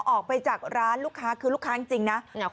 ออกไปจากร้านลูกค้าคือลูกค้าจริงนะ